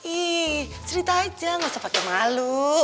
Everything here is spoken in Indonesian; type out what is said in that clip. ih cerita aja gak usah pakai malu